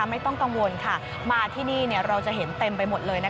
ไม่ต้องกังวลค่ะมาที่นี่เราจะเห็นเต็มไปหมดเลย